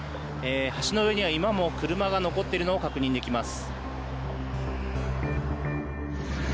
橋の上には今も、車が残っているのが確認できます。